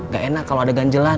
gak enak kalau ada ganjelan